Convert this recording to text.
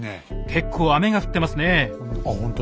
結構雨が降ってますね。